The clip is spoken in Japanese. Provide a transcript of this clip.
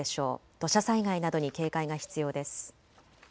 土砂災害などに警戒が必要です。